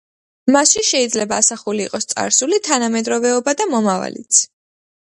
მასში შეიძლება ასახული იყოს წარსული, თანამედროვეობა და მომავალიც.